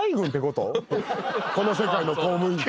この世界の公務員って。